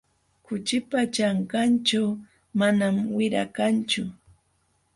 Kuchipa ćhankanćhu manam wira kanchu.